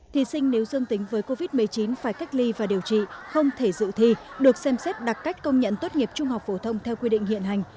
thí sinh nếu dương tính với covid một mươi chín phải cách ly và điều trị không thể dự thi được xem xét đặc cách công nhận tốt nghiệp trung học phổ thông theo quy định hiện hành